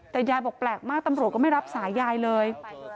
แต่ยายบอกแปลกมากตำรวจก็ไม่รับสายยายเลย